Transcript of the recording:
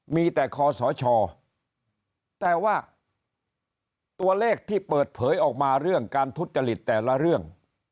มีแต่คอสชแต่ว่าตัวเลขที่เปิดเผยออกมาเรื่องการทุจริตแต่ละเรื่อง